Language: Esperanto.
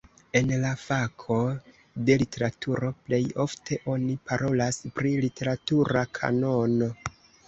En la fako de literaturo plej ofte oni parolas pri literatura kanono.